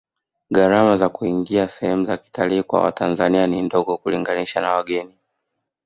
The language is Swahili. gharama za kuingia sehemu za kitalii kwa watanzania ni ndogo ukilinganisha na wageni